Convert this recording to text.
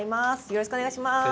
よろしくお願いします。